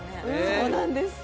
そうなんです。